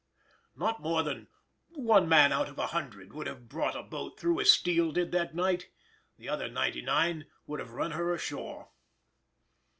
Not more than one man out of a hundred would have brought a boat through as Steele did that night,—the other ninety nine would have run her ashore.